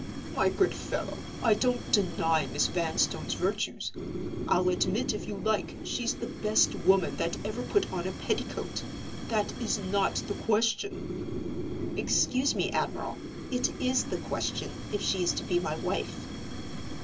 My good fellow, I don't deny Miss Vanstone's virtues. I'll admit, if you like, she's the best woman that ever put on a petticoat. That is not the question—" "Excuse me, admiral—it is the question, if she is to be my wife."